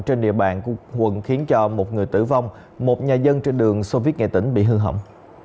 trên địa bàn của quận khiến cho một người tử vong một nhà dân trên đường soviet nghệ tĩnh bị hư hỏng